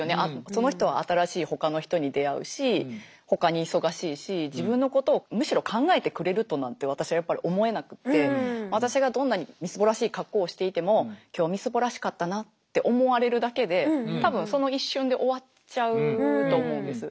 その人は新しいほかの人に出会うしほかに忙しいし自分のことをむしろ考えてくれるとなんて私やっぱり思えなくって私がどんなにみすぼらしい格好をしていても今日みすぼらしかったなって思われるだけで多分その一瞬で終わっちゃうと思うんです。